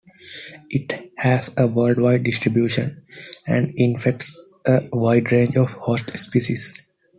It has a worldwide distribution, and infects a wide range of host species.